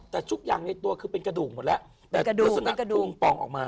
แต่ทุกอย่างในตัวคือเป็นกระดูกหมดแล้วแต่ลักษณะดวงป่องออกมา